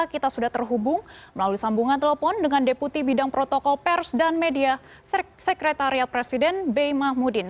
kita sudah terhubung melalui sambungan telepon dengan deputi bidang protokol pers dan media sekretariat presiden bey mahmudin